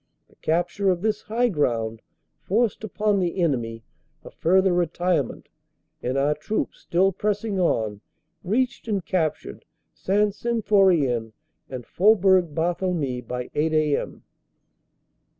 The capture of this high ground forced upon the enemy a further retirement, and our troops, still pressing on, reached and captured St. Symphorien and Fbg. Barthelmy by 8 a.m.